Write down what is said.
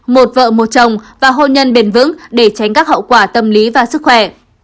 một vợ một chồng và hôn nhân bền vững để tránh các hậu quả tâm lý và sức khỏe